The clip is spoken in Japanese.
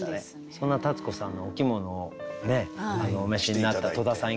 そんな立子さんのお着物をねお召しになった戸田さん